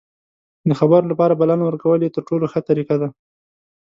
د خبرو لپاره بلنه ورکول یې تر ټولو ښه طریقه ده.